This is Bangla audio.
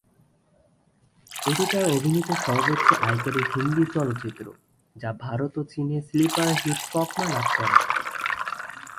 এটি তার অভিনীত সর্বোচ্চ আয়কারী হিন্দি চলচ্চিত্র, যা ভারত ও চীনে স্লিপার হিট তকমা লাভ করে।